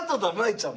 ちゃん！